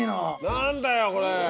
何だよこれ！